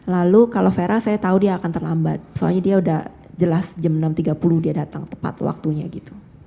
lalu kalau vera saya tahu dia akan terlambat soalnya dia udah jelas jam enam tiga puluh dia datang tepat waktunya gitu